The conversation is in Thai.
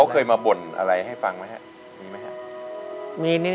เคยมาบ่นอะไรให้ฟังไหมครับมีไหมครับ